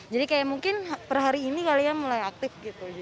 jadi kayak mungkin per hari ini kalian mulai aktif gitu